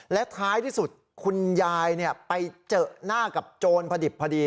และท้ายที่สุดคุณยายไปเจอหน้ากับโจรพอดิบพอดี